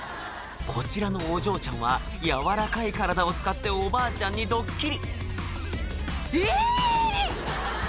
こちらのお嬢ちゃんは軟らかい体を使っておばあちゃんにドッキリえ！